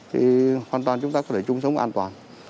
thì hoàn toàn chúng ta có thể chung sống an toàn